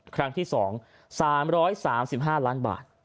ครั้งที่๒๓๓๕ล้านบาท